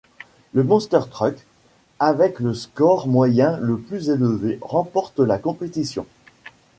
Le Monster truck avec le score moyen le plus élevé remporte la compétition.